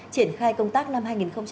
triển khai công tác năm hai nghìn hai mươi